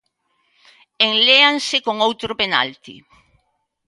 Enléanse con outro penalti.